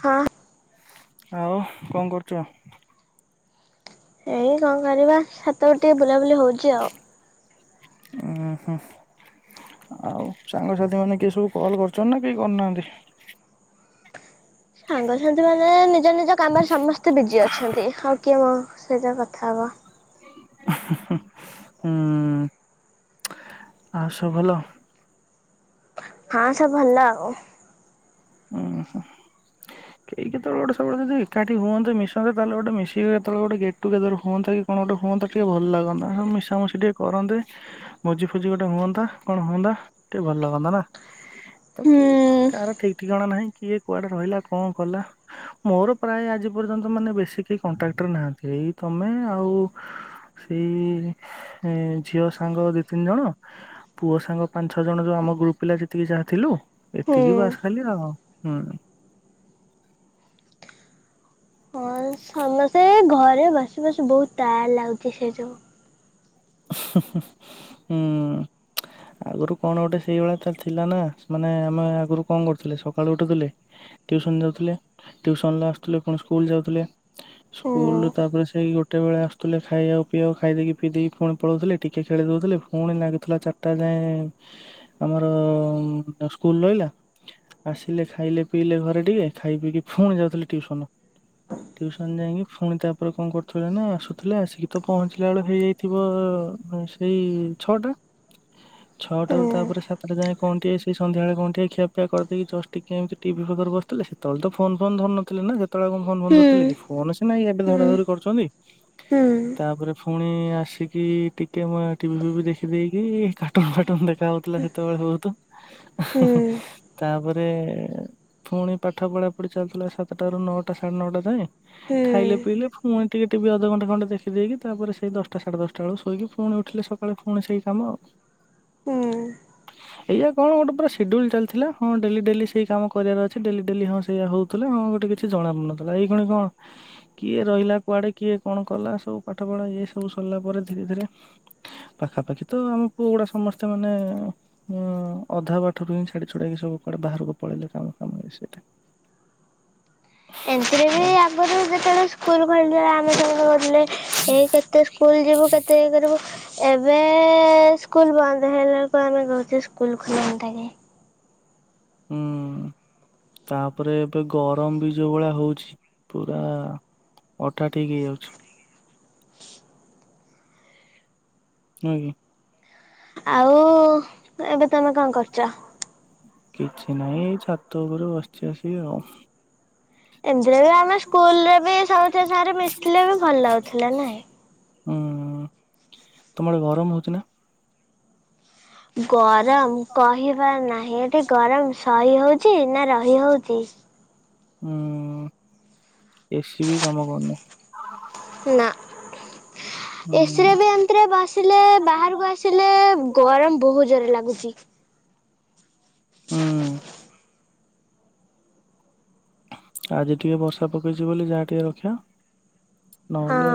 ହଁ। ଆଉ କଣ କରୁଚ? ଏଇ କଣ କରିବା ଛାତ ଉପରେ ଟିକେ ବୁଲାବୁଲି ହଉଛି ଆଉ। ଉଁ ହୁଁ ଆଉ ସାଙ୍ଗସାଥି ମାନେ କିଏ ସବୁ କଲ କରୁଛନ୍ତି ନା କେହି କରୁନାହାଁନ୍ତି? ସାଙ୍ଗସାଥି ମାନେ ନିଜ ନିଜ କାମରେ ସମସ୍ତେ ବିଜି ଅଛନ୍ତି ଆଉ କିଏ ମ ସେଇଟା କଥା ହବା। ହୁଁ ଆଉ ସବୁ ଭଲ? ହଁ ସବୁ ଭଲ ଆଉ। ଉ କେହି କେତେବେଳେ ଗୋଟେ ସବୁବେଳେ ଯଦି ଏକାଠି ହୁଅନ୍ତେ ମିଶନ୍ତେ ତାହେଲେ ଗୋଟେ ମିଶିକି କେତେବେଳେ ଗୋଟେ ଗେଟ ଟୁଗେଦର ହୁଅନ୍ତା କି କଣ ଗୋଟେ ହୁଅନ୍ତା ଟିକେ ଭଲ ଲାଗନ୍ତା ମିଶାମଶି ଟିକେ କରନ୍ତେ ଭୋଜି ଫୋଜି ଗୋଟେ ହୁଅନ୍ତା କଣ ହୁଅନ୍ତା ଟିକେ ଭଲ ଲାଗନ୍ତା ନା ତ କେହି ହୁଁ କାହାର ଠିକ କଠିକଣା ନାହିଁ କିଏ କୁଆଡେ ରହିଲା କଣ କଲା ମୋର ପ୍ରାୟ ଆଜି ପର୍ଯ୍ୟନ୍ତ ମାନେ ବେଶୀ କେହି କଣ୍ଟ୍ରାକ୍ଟରେ ନାହାନ୍ତି ଏଇ ତମେ ଆଉ ସେଇ ଝିଅ ସାଙ୍ଗ ଦି ତିନି ଜଣ ପୁଅ ସାଙ୍ଗ ପାଞ୍ଚ ଛଅ ଜଣ ଯୋଉ ଆମ ଗ୍ରୁପ ପିଲା ଯେତିକି ଯାହା ଥିଲୁ ହୁଁ। ଏତିକି ବାସ୍। ଚାଲିବ ହଁ ହୁଁ ହୁଁ। ହଁ ସମସ୍ତେ ଘରେ ବସି ବସି ବହୁତ ଟାଏଡ ଲାଗୁଛି ସେଇ ଯୋଉ ହୁଁ ଆଗରୁ କଣ ଗୋଟେ ସେଇଭଳି ତ ଥିଲା ନା ମାନେ ଆମେ ଆଗରୁ କଣ କରୁଥିଲେ ସକାଳେୁ ଉଠୁଥିଲେ ଟିଉସନ ଯାଉଥିଲେ ଟିଉସନ୍ ରୁ ଆସୁଥିଲେ ପୁଣି ସ୍କୁଲ ଯାଉଥିଲେ ହୁଁ। ସ୍କୁଲ ତାପରେ ସେଇ ଗୋଟେ ବେଳେ ଆସୁଥିଲେ ଖାଇବାକୁ ପିଇବାକୁ ଖାଇ ଦେଇକି ପିଇ ଦେଇକି ପୁଣି ପଳାଉଥିଲେ ଟିକେ ଖେଳି ଦଉଥିଲେ ପୁଣି ଲାଗୁଥିଲା ଚାରିଟା ଯାଏ ଆମର ସ୍କୁଲ ରହିଲା ଆସିଲେ ଖାଇଲେ ପିଇଲେ ଘରେ ଟିକେ ଖାଇ ପିଇକି ପୁଣି ଯାଉଥିଲେ ଟିଉସନ ଟିଉସନ ଯାଇକି ପୁଣି ତାପରେ କଣ କରୁଥିଲେ ନା ଆସୁଥିଲେ ଆସିକି ତ ପହଞ୍ଚିଲା ବେଳ ହେଇଯାଇଥିଲେ ଥିବ ସେଇ ଛଅଟା ଛଅଟାରୁ ହୁଁ ତାପରେ ସାତଟା ଯାଏ କଣ ଟିଏ ସେଇ ସନ୍ଧ୍ୟାବେଳେ କଣ ଟିଏ ଖିଆପିଆ କରିଦେଇକି ଜଷ୍ଟ ଟିକିଏ ଏମିତି ଟିଭି ପାଖରେ ବସୁଥିଲେ ସେତେବେଳେ ତ ଫୋନ ଫୋନ୍ ଧରୁନଥିଲେ ନା। ସେତେବେଳେ କଣ ଫୋନ ଫୋନ୍ ହୁଁ ଧରୁଥିଲେ କି ଫୋନ ସିନା ଏବେ ଧରା ହୁଁ ଧରି କରୁଛନ୍ତି ହୁଁ ତାପରେ ଫୁଣି ଆସ ଆସିକି ଟିକେ ଟିଭି ଫିଭି ଦେଖିଦେଇକି କାର୍ଟୁନ ଫାଟୁନ ଦେଖା ହଉଥିଲା ସେତେବେଳେ ବହୁତ ହୁଁ ତାପରେ ପୁଣି ପାଠ ପଢ଼ାପଢ଼ି ଚାଲୁଥିଲା ସାତଟାରୁ ନଅଟା ସାଢ଼େ ନଅଟା ଯାଏଁ ହୁଁ ଖାଇଲେ ପିଇଲେ ପୁଣି ଟିକେ ଟିଭି ଅଧଘଣ୍ଟ ଘଣ୍ଟେ ଦେଖି ଦେଇକି ତାପ ସେଇ ଦଶଟା ସାଢେ ଦଶ ସକାଳୁ ଶୋଇକି ପୁଣି ଉଠିଲେ ସକାଳେ ପୁଣି ସେଇ କାମ ଆଉ ହୁଁ ଏଇୟଆ କଣ ଗୋଟେ ପୁରା ସେଡ୍ୟୁଲ ଚାଲିଥିଲା ହଁ ଡେଲି ଡେଲି ସେଇ କାମ କରିବାର ଅଛି ଡେଲି ଡେଲି ହଁ ସେଇଆ ହଉଥିଲା ହଁ ଗୋଟେ କିଛି ଜଣା ପଡୁନଥିଲା ଏଇ କ୍ଷଣି କଣ କିଏ ରହିଲା କୁଆଡେ କିଏ କଣ କଲା ସବୁ ପଢା ଇଏ ସବୁ ସରିଲା ପରେ ଧୀରେ ଧୀରେ ପାଖାପାଖି ତ ଆମ ପୁଅ ଗୁଡା ସମସ୍ତେ ମାନେ ଅଧା ବାଠରୁ ହିଁ ଛାଡି ଛଡେଇକି ସବୁ କୁଆଡେ ବାହାରକୁ ପଳେଇଲେ କାମ କାମ ସେଟା ଏମତି ରେ ବି ଆଗରୁ ଯେତେବେଳେ ସ୍କୁଲ। ଖୋଲିଥୀବ ଆମେ ସବୁ ଗଲେ। ଏଇ କେତେ ସ୍କୁଲ ଯିବୁ କେତେ ଇ କରିବୁ ଏବେ ଏ ସ୍କୁଲ ବନ୍ଦ ହେଲା। ହଁ ପା ଆମେ କହୁଚେ ସ୍କୁଲ ଖୋଲା ହୁଅନ୍ତାନି। ହୁଁ ତାପରେ ଏବେ ଗରମ ବି ଯୋଉ ଭଳିଆ ହଉଛି ପୁରା ଅଠା ଠିକ ହେଇଯାଉଚି। ନୁହେଁ କି? ଆଉ ଏବେ ତମେ କଣ କରୁଚ। କିଛି ନାହିଁ ଏଇ ଛାତ ଉପରୁ ବସିଛି ଆସି କି ଆଉ। ଏମିତିରେ ବି ଆମ ସ୍କୁଲରେ ବି ସମସ୍ତି ଙ୍କ ସହିତ ମିଶଥିଲେ ବି ଭଲ ଲାଗୁଥିଲା ନାଇଁ। ହୁଁ ତମଆଡେ ଗରମ ହଉଚି ନା? ଗରମ କହିବାର ନାହିଁ ଏଠି ଗରମ ସହି ହଉଚ ନା ରହି ହଉଚି। ହୁଁ ଏସି ବି କାମ କରୁନି। ନା, ହୁଁ। ଏସରେ ବି ଏମିତିରେ ବସିଲେ ବାହାରକୁ ଆସିଲେ ଗରମ ବହୁତ ଜୋରରେ ଲାଗୁଚି। ହୁଁ ଉଁ ଆଜି ଟିକେ ବର୍ଷା ପକେଇଛି ବୋଲି ଯାହା ଟିକେ ରକ୍ଷା। ହଁ ନହେଲେ,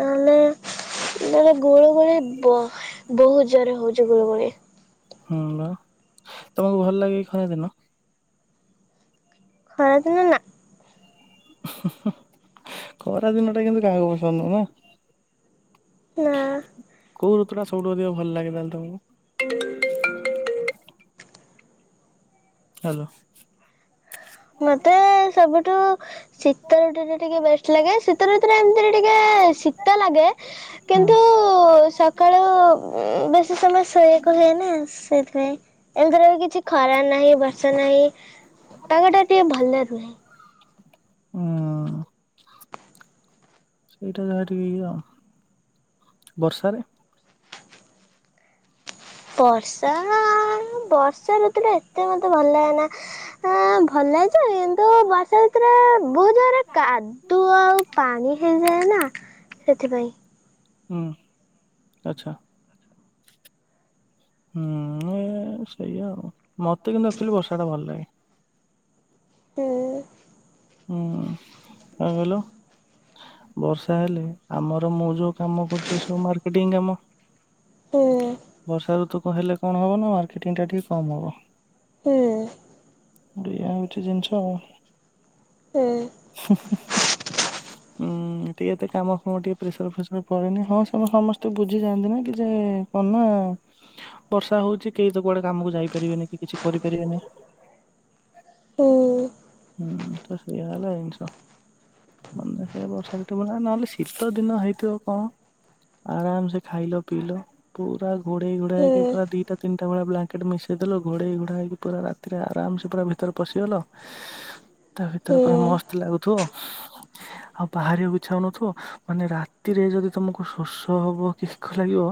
ନହେଲେ ନହେଲେ ଗୁଳୁ ଗୁଳି ବହୁତ ଜୋରେ ହଉଚି ଗୁରୁ ଗୁଳି। ହୁଁ ନା ତମକୁ ଭଲ ଲାଗେ ଖରା ଦିନ। ଖରା ଦିନ ନା। ଖରା ଦିନ ଟା କିନ୍ତୁ କାହାକୁ ପସନ୍ଦ ନୁହେଁ ନା? ନା କୋଉ ଋତୁ ଟା ସବୁଠୁ ଅଧିକ ଭଲ ଲାଗେନା ତୁମକୁ। ହ୍ୟାଲୋ ମତେ ସବୁଠୁ ଶୀତ ଋତୁ ଟା ଟିକେ ବେଷ୍ଟ ଲାଗେ ଶୀତ ଋତୁରୋ ଏମିତିରେ ଟିକେ ଶୀତ ଲାଗେ ହଁ। କିନ୍ତୁ ସକାଳୁ ବେଶୀ ସମୟ ଶୁଏ। ହୁଏ ନା ସେଥିପାଇଁ ଏମତିର କିଛି ଖରା ନାହିଁ ବର୍ଷା ନାହିଁ ପାଗ ଟା ଟିକେ ଭଲ ରୁହେ। ହଁ ଅଁ ସେଇଟା ଯାହା ଟିକେ ଇଏ ବର୍ଷାରେ ବର୍ଷା ତା ନା ବର୍ଷା ଋତୁ ଟା ଏ ଏତେ ମୋତେ ଭଲ ଲାଗେନା ଆଁ ଭଲ ଲାଗଛ କିନ୍ତୁ ବର୍ଷା ଋତୁରେ ରେ ବହୁ ଜାଗାରେ କାଦୁଅ ଆଉ ପାଣି ହେଇଯାଏ ନା ସେଥିପାଇଁ। ହୁଁ ଆଚ୍ଛା, ହୁଁ ସେଇଆ ଆଉ, ମତେ କିନ୍ତୁ ଆକ୍ଚୁଆଲି ବର୍ଷା ଟା ଭଲ ଲାଗେ ହୁଁ! ହୁଁ କଣ କହିଲ, ବର୍ଷା ହେଲେ ଆମର ମୁଁ ଯୋଉ କାମ କରୁଚି, ସବୁ ମାର୍କେଟିଂ କାମ ହୁଁ ବର୍ଷା ଋତୁ ହେଲେ କଣ ହବ, ନା ମାର୍କେଟିଂ ଟା ଟିକେ କମ ହବ। ହୁଁ! ଦିଆ ହେଇଛି ଜିନିଷ ଆଉ। ହୁଁ ହୁଁ ଟିକେ ତ କାମ କରିବାକୁ ଟିକେ ପ୍ରେସର ଫେସର ପଡେନି ହଁ ସେମାନେ ସମସ୍ତେ ବୁଝି ଯାଆନ୍ତି ନା କି ଯେ କଣ ନା ବର୍ଷା ହଉଛି କେହି ତ କୁଆଡେ କାମକୁ ଯାଇପାରିବେନି କି କିଛି କରିପାରିବେନି ହୁଁ ହୁଁ ତ ସେଇଆ ହେଲା ଜିନିଷ ମାନେ ସେ ବର୍ଷା କେତ ନହେଲେ ଶୀତ ଦିନ ହେଇଥିବ କଣ ଆରାମ ସେ ଖାଇଲ ପିଇଲ ପୁରା ଘୋଡେଇ ଘୋଡାହେଇକି ହୁଁ ପୁରା ଦିଟା ତିନିଟା ଭଳିଆ ବ୍ଲାଙ୍କ ମିଶେଇଦଲ, ଘୋଡେଇ ଘୋଡ ହେକି ପୁରା ରାତିରେ ଆରାମସ ପୁରା ଭିତରେ ପଶିଗଲ ତା ଭିତରେ ପୁରା ହୁଁ ମସ୍ତ ଲାଗୁଥିବ ଆଉ ବାହାରିବାକୁ ଇଚ୍ଛା ହଉନଥିବ। ମାନେ, ରାତିରେ ଯଦି ତମକୁ ଶୋଷ ହବ କି ଏକ ଲାଗିବ,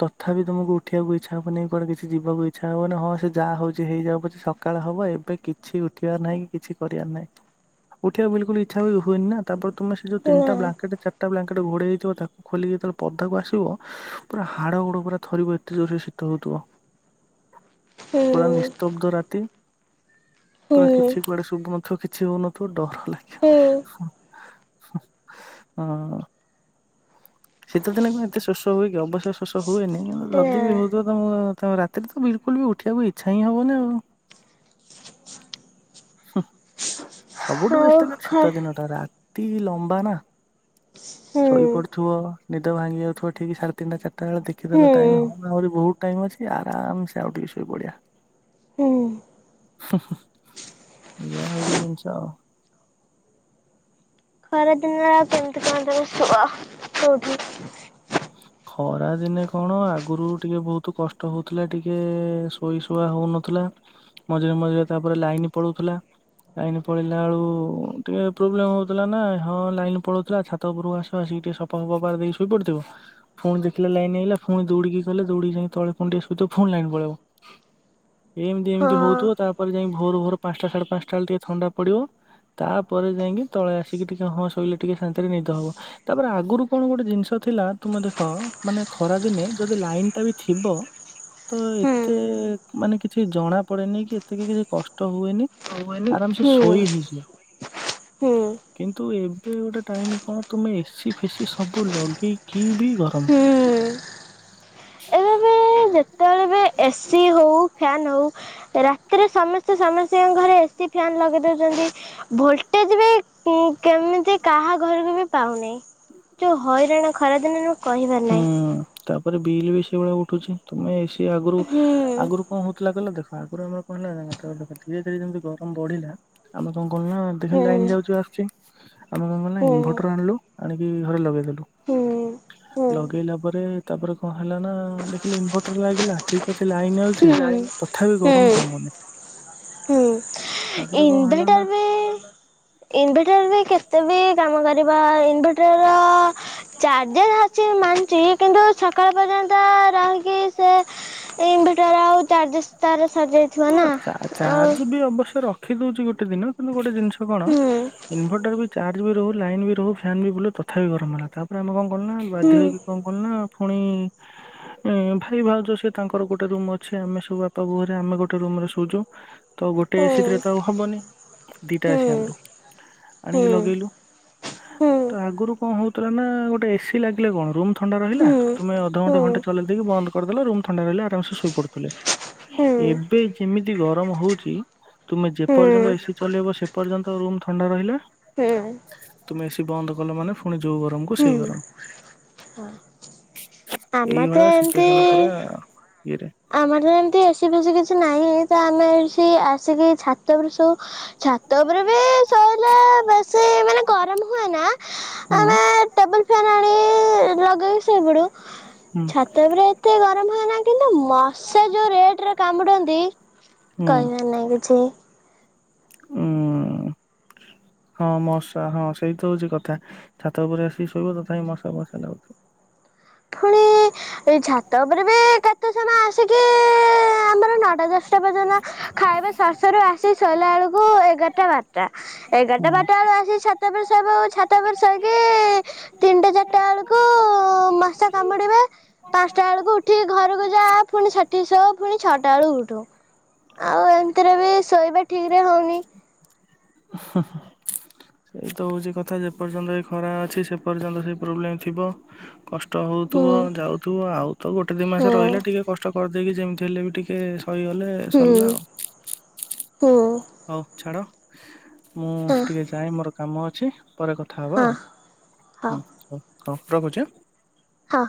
ତଥାପି ତମକୁ ଉଠିବାକୁ ଇଚ୍ଛା ହବନି। କୁଆଡେ କିଛି ଯିବାକୁ ଇଚ୍ଛା ହବନି। ହଁ, ସେ ଯାହା ହଉଛି ହେଇଯାଉ, ପଛେ ସକାଳ ହବ। ଏବେ କିଛି ଉଠିବାର ନାହିଁ କି କିଛି କରିବାର ନାହିଁ, ଉଠିବାକୁ ବିଲକୁଲ ଇଚ୍ଛା ବି ହୁଏନି ନା, ତାପରେ ତମେ ସେ ଯୋଉ ନା ତିନିଟା ବ୍ଲାଙ୍କେଟ ଚାରିଟା ବ୍ଲାଙ୍କେଟ ଘୋଡେଇ ହେଇଥିବ ତାକୁ ଖୋଲିକି, ଯେତେବେଳେ ପଦାକୁ ଆସିବ ପୁରା ହାଡ ଗୋଡ ପୁରା ଥରିବ ଏତେ ଜୋର ସେ ଶୀତ ହଉଥିବ। ପୁରା ହୁଁ ନିସ୍ତବ୍ଧ ରାତି। ହୁଁ [unintelligible] କିଛି କୁଆଡେ ସବୁ ନ ଥିବ, କିଛି ହଉନଥିବ ଡର ହୁଁ ଲାଗିବ ହଁ। ଶୀତଦିନ କଣ ଏତେ ଶୋଷ ହୁଏ କି ଅବଶ ଶୋଷ ହୁଏ। ହୁଏନି କି ନା ଯଦି ବି ହଉଥିବ ତ ମୁଁ ତମେ ରାତି ଏଥିରେ ତ ବିଲକୁଲ ବି ଉଠିବାକୁ ଇଚଛା ହିଁ ହବନ ଆଉ ହିଁ। ସବୁଠୁ ଆଉ ବେଷ୍ଟ ଖ ଶୀତ ଦିନଟା ରା ଏତି ଲମ୍ବା ନା, ହୁଁ ଶୋଇପଡୁଥିବ ନିଦ ଭାଙ୍ଗି ଯାଉଥିବ ଠିକ ସାଢେ ତିନିଟା ଚାରିଟା ବେଳେ ହୁଁ ଦେଖିଦେଲାଇ ହଁ ଆହୁରି ବହୁତ ଟାଇମ୍ ଅଛି ଆରାମ ସେ ଆଉ ଟିକେ ଶୋଇପଡିବା। ହୁଁ ହୁଁ ହୁଁ ଏୟା ହେଉଚି ଜିନ୍ସ ତ ଖରାଦିନରେ କେମିତି କଣ ତୁମେ ଶୁଅ କୋଉଠି? ଖରା ଦିନେ କଣ ଆଗରୁ ଟିକେ ବହୁତ କଷ୍ଟ ହଉଥିଲା। ଟିକେ ଶୋଇ ଶୁଆ ହଉନଥିଲା। ମଝିରେ ମଝିରେ ତାପରେ ଲାଇନ ପଳଉଥିଲା। ଲାଇନ ପଳେଇିଲା ବେଳୁ ଟିକେ ପ୍ରୋବ୍ଲେମ ହଉଥିଲା, ନା ହଁ ଲାଇନ୍ ପଳଉଥିଲା ଛାତ ଉପରକୁ ଆସିବା ଆସିକି ଟିକେ ସଫା ଫ ଫଫା ଦେଇକି ଶୋଇ ପଡିଥିବ। ପୁଣି ଦେଖିଲା ଲାଇନ ହେଇଗଲା ପୁଣି ଦୌଡିକି କି ଗଲ ପୁଣି ଦୌଡିକି ଯାଇ ତଳେ ଫୁ ଆସୁଣି ଲାଇନ ପଳେଇବ, ଏମିତି ଏମିତି ହଁ ହଉ ତାପରେ, ଯାଇ ଭୋର ଭୋର ପାଞ୍ଚଟା ସାଢ଼େ ପାଞ୍ଚଟା ବେଳେ ଟିକେ ଥଣ୍ଡା ପଡିବ ତାପରେ ଯାଇକି ତଳେ ଆସିକି ଟିକେ ହଁ ଶୋଇଲେ ଟିକେ ଶାନ୍ତିରେ ନିଦ ହବ। ତାପରେ ଆଗରୁ କଣ ଗୋଟେ ଜିନିଷ ଥିଲା? ତୁମେ ଦେଖ, ମାନେ ଖରା ଦିନେ ଯଦି ଲାଇନ ଟା ବି ଥିବ ତ ହୁଁ ଏତେ ମାନେ କିଛି ଜଣା ପଡ଼େନି କି ଏତେକ କିଛି କଷ୍ଟ ହୁଏନି। ହନ ଆରାମସେ ହୁଁ! ଶୋଇ ହେଇଯିବ ହୁଁ କିନ୍ତୁ ଏବେ ଗୋଟେ ଟାଇମ କଣ, ତୁମେ ଏସି ଫେସି ସବୁ ଲଗେଇ କିିବି ଗରମ ହୁଁ ଏସି ହଉ, ଫ୍ୟାନ୍ ହଉ ରାତିରେ ସମସ୍ତେ ସମସ୍ତଙ୍କ ଘରେ ଏସି ଫ୍ୟାନ ଲଗେଇ ଦଉଛନ୍ତି, ଭୋଲଟେଜ ବି କେମିତି କାହା ଘରକୁ ବି ପାଉନାହିଁ। ଯୋଉ ହଇରାଣ ଖରାଦିନ ନୁ [unintelligible] ହୁଁ ତାପରେ ବିଲ୍ ବି ସେଇଭଳିଆ ଉଠୁଛି। ତୁମେ ସେ ଆଗରୁ ହୁଁ ଆଗରୁ କଣ ହଉଥିଲା କହିଲ ଦେଖ ଆଗରୁ ଆମର କଣ ହେଲା ନା, [unintelligible] ଧୀରେ ଧୀରେ ଯେମିତି ଗରମ ବଢିଲା ଆମେ ତମ ହୁଁ ହୁଁ [unintelligible] ଲାଇନ୍ ଯାଉଛି ଆସୁଛି ଆମେ କଣ କଲୁ ନା, ହୁଁ। ଇନଭର୍ଟର ଆଣିଲୁ ଆଣିକି ଘରେ ଲଗେଇ ଦେଲୁ। ହୁଁ। ଲଗେଇଲା ପରେ ତାପରେ କଣ ହେଲା ନା ଦେଖିଲୁ [unintelligible] ଲାଗିଲା ଠିକ ଅଛି, ଲାଇନ୍ ହୁଁ ଆାଉଛି। ତଥାପି ଗରମ କମୁନି ହୁଁ ତାପରେ କଣ ହେଲା ଇନଭଟର ନା ବି, ଇନଭଟର ବି, କେତେ ବି କାମ କରିବା ଇନଭଟର ର ଚାର୍ଜର୍ ହଛି ମାନୁଛି, କିନ୍ତୁ ସକାଳ ପର୍ଯ୍ୟନ୍ତ ରହିକି, ସେ ଇନଭଟର ଆଉ ଚାର୍ଜେସ୍ ତାର ସରିଯାଇଥିବ ନା ଆଉ ଚାର୍ଜ ବି ଅବଶ୍ୟ ରଖ ରଖି ଦେଉଛି ଗଟେ ଦିନ କିନ୍ତୁ ଗଟେ ଜିନ [unintelligible] [unintelligible] କଣ ହୁଁ ଇନଭଟର ବି ଚାର୍ଜ ବି ରହୁ, ଲାଇନ୍ ବି ରହୁ, ଫ୍ୟାନ୍ ବି ବୁଲୁ, ତଥାପି ଗରମ ଲାଗେ ତାପରେ ଆମେ କଣ କରୁନା ହୁଁ ବାଧ୍ୟ ହୋଇକି କଣ କରୁନା ପୁଣି ଭାଇ, ଭାଉଜ, ସେ ତାଙ୍କର ଗୋଟେ ରୁମ ଅଛି। ଆମେ ସବୁ ବାପା, ବୋଉ, ହେରା ଆମେ ସବୁ ଗୋଟେ ରୁମ ରେ ଶୋଉଚୁ। ତ ଗୋଟିଏ ହୁଁ ଏ ସି ତ ରେ ତ ହବନି। ଦୁଇଟା ଏ ହୁଁ ସି ଆଣିଲୁ, ଆଣିଲି ଲଗେଇଲୁ। ହୁଁ ହୁଁ ତ ଆଗରୁ କଣ? ନା ଗୋଟେ ଏସିି ଲାଗିଲେ କଣ ରୁମ୍ ଥଣ୍ଡା ରହିଲା, ହୁଁ ତମେ ହୁଁ ଅଧଘଣ୍ଟେ ଘଣ୍ଟେ ଚଲେଇ ଦେଇକି ବନ୍ଦ କରିଦେଲ ରୁମ୍ ଥଣ୍ଡା ରହିଲେ, ଆରାମସ ଶୋଇ ପଡୁଥିଲେ, ହୁଁ ଏବେ ଯେମିତି ଗରମ ହଉଛି। ତୁମେ ହୁଁ ଯେପର୍ଯ୍ୟନ୍ତ ଏସି ଚଲେଇବ, ସେ ପର୍ଯ୍ୟନ୍ତ ରୁମ୍ ଥ ଥଣ୍ଡା ରହିଲା ହୁଁ। ତୁମେ ଏସି ବନ୍ଦ କଲେ ଫୁଣି। ଯୋଉ ଗରମ କୁ ହୁଁ ସେଇ ଗରମ ଆମର ତ ଏଇଭଳିଆ ସିଚୁଏସନ ପୁରା ଏମିତି ଇଏରେ ଆମର ତ ଏମିତି ଏ ସି ଫେଶି କିଛି ନାଇଁ ତ ଆମେ ଆସି ଆସିକି ଛାତରେ ଉପରେ ସୋଉ ଛାତ ଉପରେ ବି ଶୋଇଲେ ବେଶୀ ମାନେ ଗରମ ହୁଏନା, ହୁଁ ଆମେ ଟେବୁଲ ଫ୍ୟାନ ଆଣି ଲଗେଇବୁ ସେଇପଡୁ ହୁଁ ଛାତ ଉପରେ ଏତେ ଗରମ ହୁଏନା କିନ୍ ମସା ଯୋଉ ରେଟରେ କାମୁଡନ୍ତି କହିବାର ନାଇଁ କିଛି। ଉୁଁ ହଁ ମଶା ହଁ ସେଇ ତ ହଉଛି କଥା ଛାତ ଉପରେ ଆସିକି ଶୋଇବ ତଥାପି ମଶା ମଶା ଲାଗଚି। ପୁଣି ଏଇ ଛାତ ଉପରେ ବି କେତେ ସମୟ ଆସିକି ଆମର ନଟା ଦଶ [unintelligible] ପର୍ଯ୍ୟନ୍ତ ଖାଇବା ସରି ସରି ଆସି ଶୋଇଲା ବେଳକୁ ଏଗାର କଥାବାର୍ତ୍ତା। ହୁଁ। ଏଗାରଟା ବାରଟା ଆଳୁ ଆସିକି ଛତ୍ ଛାତ ଉପରେ ଶୋଇବାକୁ ଛାତ ଉପରେ ଶୋଇଲି ତିନିଟା ଚାରିଟା ବେଳକୁ ମା କାମୁଡିବା ପାଞ୍ଚଟା ବେଳକୁ ଉଠି ଘରକୁ ଯା ପୁଣି ଷାଠି ସୋ ପୁଣି ଛଅଟା ବେଳକୁ ଉଠୁ ଆଉ ଏମିତିରେ ବି ଶୋଇବା ଠିକରେ ହଉନି। ସେଇ ତ ହୋଉଚି କଥା ଯେପର୍ଯ୍ୟନ୍ତ ଏ ଖରା ଅଛି ସେ ପର୍ଯ୍ୟନ୍ତ ସେ ପ୍ରୋବ୍ଲେମ୍ ଥିବ। କଷ୍ଟ ହୁଁ ହୋଉଥିବ ଯାଉଥିବ ଆଉଥିବ ତ ଗୋଟେ ଦି ହୁଁ ମାସ ରହିଲା ଟିକେ କଷ୍ଟ କର କି ଯେମିତି ହେଲେ ବି ଟିକେ ସଇଗଲେ ହୁଁ ସରିଲା ଆଉ। ହୁଁ ହଉ ଛାଡ। [inaudible] ମୁଁ ହଁ ଟିକେ ଯାଏ ମୋର କାମ ଅଛି। ପରେ କଥା ହେବ ହଁ ଆଉ ହଉ। ହଁ ରଖୁଚି ଆ। ହଁ।